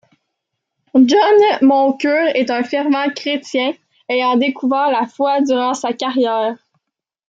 John Moncur est un fervent chrétien, ayant découvert la foi durant sa carrière.